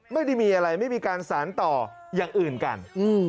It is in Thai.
ไม่ได้มีอะไรไม่มีการสารต่ออย่างอื่นกัน